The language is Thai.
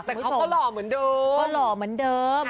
แต่เขาก็หล่อเหมือนเดิม